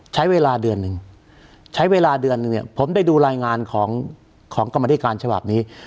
ใช้เวลาเดือนหนึ่งผมได้ดูรายงานของกรรมธิการฉบับนี้